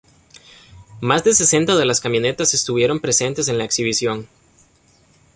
Más de sesenta de las camionetas estuvieron presentes en la exhibición.